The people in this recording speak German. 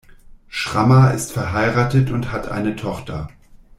Schramma ist verheiratet und hat eine Tochter.